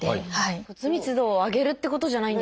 骨密度を上げるってことじゃないんですか？